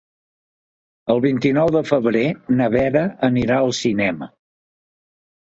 El vint-i-nou de febrer na Vera anirà al cinema.